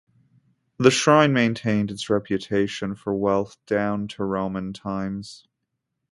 The shrine maintained its reputation for wealth down to Roman times.